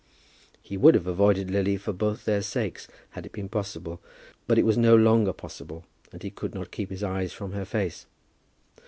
He would have avoided Lily for both their sakes, had it been possible; but it was no longer possible, and he could not keep his eyes from her face.